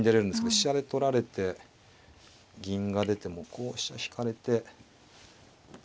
飛車で取られて銀が出てもこう飛車引かれて。